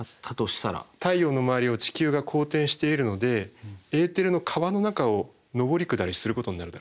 太陽の周りを地球が公転しているのでエーテルの川の中を上り下りすることになるだろうと。